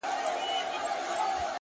خپل مسیر د حقیقت په رڼا برابر کړئ!